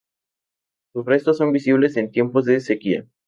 Sus restos son visibles en tiempos de sequía.